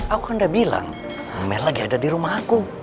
aku kan udah bilang amel lagi ada di rumah aku